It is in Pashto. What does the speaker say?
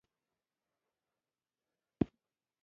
زه ځم چې ور ته خبر ور کړم.